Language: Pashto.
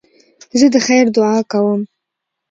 زه د خیر دؤعا کوم.